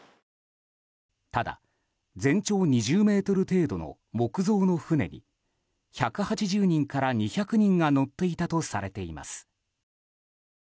ただ全長２０ｍ程度の木造の船に１８０人から２００人が乗っていたとされています。